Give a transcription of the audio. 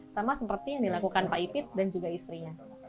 sama seperti yang dilakukan pak ipid dan juga istrinya